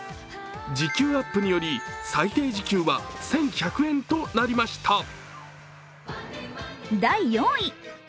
時給アップにより最低時給は１１００円となりました。